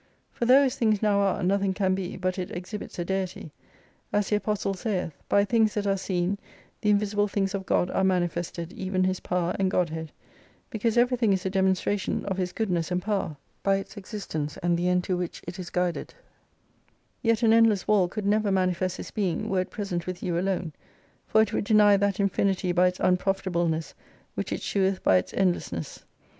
For though as things now are, nothing can be, but it exhibits a Deity ; as the Apostle saith. By things that are seen the invisible things of God are manifested, even His power and Godhead, because everything is a demonstration of His goodness and power; by its existence and the end to which it is guided : yet an 97 endless waU could never manifest His being, were it present with you alone : for it would deny that infinity by its unprofitableness, which it showeth by its end lessness.